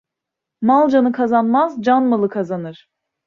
Mal canı kazanmaz, can malı kazanır.